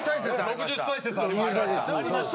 ６０歳説ありました。